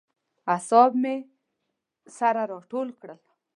اعصاب مې سره راټول کړل.